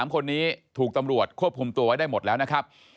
๓คนนี้ถูกตำรวจควบคุมตัวไว้ได้หมดแล้วนะครับ